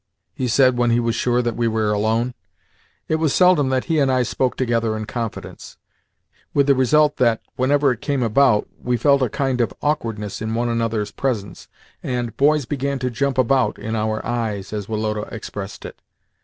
he said when he was sure that we were alone. It was seldom that he and I spoke together in confidence: with the result that, whenever it came about, we felt a kind of awkwardness in one another's presence, and "boys began to jump about" in our eyes, as Woloda expressed it.